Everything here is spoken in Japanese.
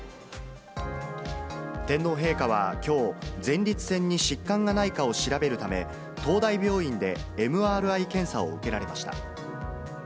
天皇陛下はきょう、前立腺に疾患がないかを調べるため、東大病院でＭＲＩ検査を受けられました。